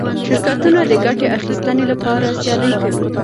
شرکتونه د ګټې اخیستنې لپاره سیالي کوي.